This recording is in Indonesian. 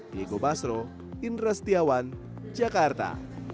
diego basro indra setiawan jakarta